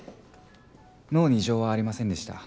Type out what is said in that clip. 脳に異常はありませんでした。